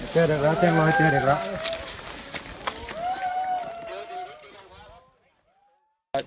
เจอเด็กไม่เจอเด็กแล้ว